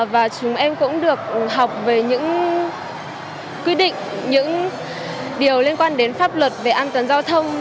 và chúng em cũng được học về những quy định những điều liên quan đến pháp luật về an toàn giao thông